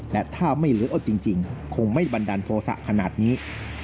และถ้าไม่เหลือเอาจริงคงไม่บันดาลโทษะขนาดนี้